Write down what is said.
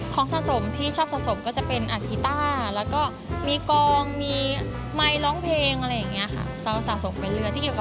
ของสะสมที่ชอบสะสมก็จะเป็นอาจกิตาร์แล้วก็มีกองมีไมล์ร้องเพลงอะไรอย่างเงี้ยค่ะ